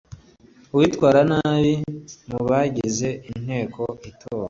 uwitwara nabi mu bagize inteko itora